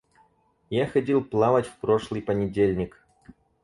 Я ходил плавать в прошлый понедельник.